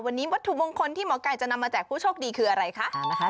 วันนี้วัตถุมงคลที่หมอไก่จะนำมาแจกผู้โชคดีคืออะไรคะ